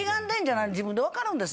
自分で分かるんです。